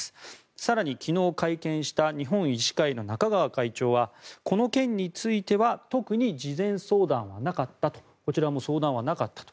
更に昨日会見した日本医師会の中川会長はこの件については特に事前相談はなかったとこちらも相談はなかったと。